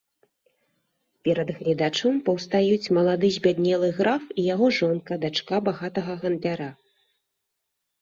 Перад гледачом паўстаюць малады збяднелы граф і яго жонка, дачка багатага гандляра.